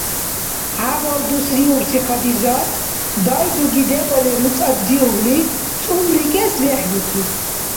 ХӀябал дус риубси Хадижат, дайдуги дебали руцӀарриубли цӀумрикӀес рехӀрихьиб.